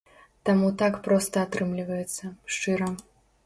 Таму так проста атрымліваецца, шчыра.